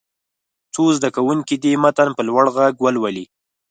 څو زده کوونکي دې متن په لوړ غږ ولولي.